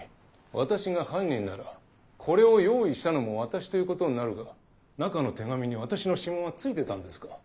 私が犯人ならこれを用意したのも私ということになるが中の手紙に私の指紋は付いてたんですか？